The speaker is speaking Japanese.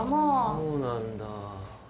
そうなんだ。